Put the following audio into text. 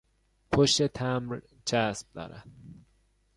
پشت تمبر چسب دارد.